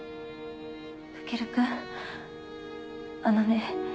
あのね。